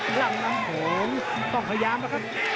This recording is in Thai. ลั่งน้ำผมต้องพยายามนะครับ